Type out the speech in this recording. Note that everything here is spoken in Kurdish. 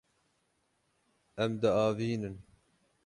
Em diavînin.